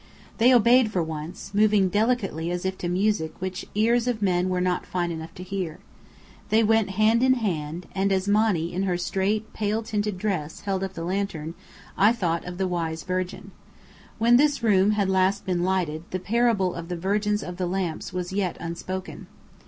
They obeyed for once, moving delicately as if to music which ears of men were not fine enough to hear. They went hand in hand: and as Monny in her straight, pale tinted dress, held up the lantern, I thought of the Wise Virgin. When this room had last been lighted, the parable of the Virgins of the Lamps was yet unspoken.